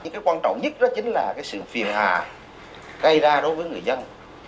cái quan trọng nhất đó chính là sự phiền hà gây ra đối với người dân